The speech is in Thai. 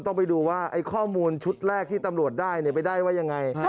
ต้องไปดูว่าไอ้ข้อมูลชุดแรกที่ตำรวจได้ไปได้ว่ายังไง